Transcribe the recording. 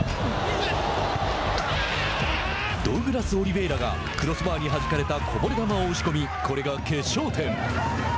ドウグラス・オリヴェイラがクロスバーにはじかれたこぼれ球を押し込みこれが決勝点。